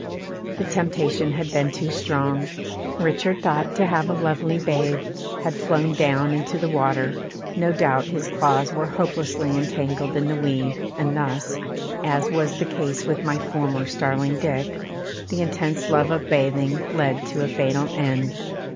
The temptation had been too strong; Richard thought to have a lovely bathe, had flown down into the water, no doubt his claws were hopelessly entangled in the weed and thus, as was the case with my former starling Dick, the intense love of bathing led to a fatal end.